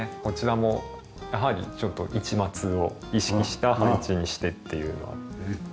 こちらもやはり市松を意識した配置にしてっていうのは。